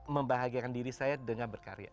membahagiakan diri saya dengan berkarya